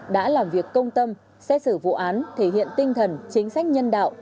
đã làm việc công tâm xét xử vụ án thể hiện tinh thần chính sách nhân đạo